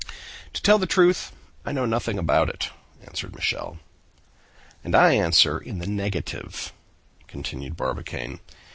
"To tell the truth, I know nothing about it," answered Michel. "And I answer in the negative," continued Barbicane.